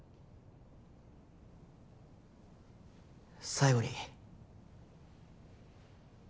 最後に。